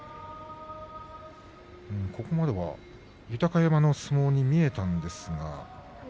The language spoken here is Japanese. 途中までは豊山の相撲に見えたんですが。